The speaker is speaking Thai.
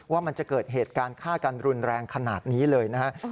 ว่ามันจะเกิดเหตุการณ์ฆ่ากันรุนแรงขนาดนี้เลยนะครับ